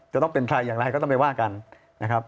จะต้องเป็นใครอย่างไรก็ต้องไปว่ากันนะครับ